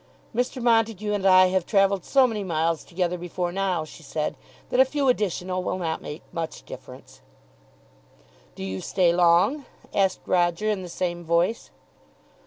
"Mr. Montague and I have travelled so many miles together before now," she said, "that a few additional will not make much difference." "Do you stay long?" asked Roger in the same voice.